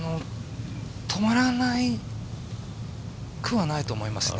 止まらなくはないと思いますね。